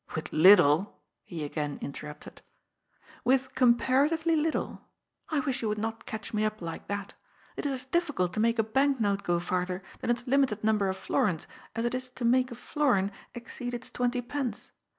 " With little !" he again interrupted. " With comparatively little. I wish you would not catch me up like that. It is as difficult to make a banknote go farther than its limited number of florins as it is to make a florin exceed its twenty pence.